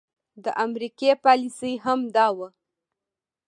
د امريکې پاليسي هم دا وه